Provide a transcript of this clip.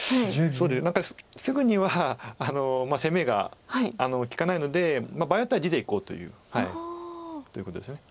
何かすぐには攻めが利かないので場合によっては地でいこうということです。